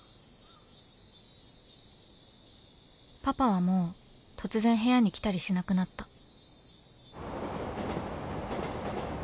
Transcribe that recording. ［パパはもう突然部屋に来たりしなくなった］